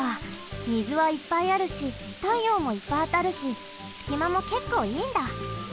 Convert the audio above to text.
みずはいっぱいあるしたいようもいっぱいあたるしすきまもけっこういいんだ。